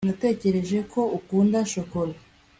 natekereje ko ukunda shokora